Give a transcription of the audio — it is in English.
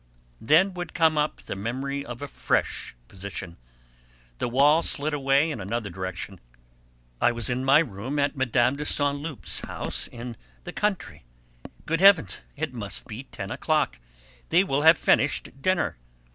Then would come up the memory of a fresh position; the wall slid away in another direction; I was in my room in Mme. de Saint Loup's house in the country; good heavens, it must be ten o'clock, they will have finished dinner!